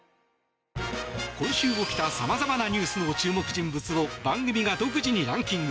今週起きた様々なニュースの注目人物を番組が独自にランキング。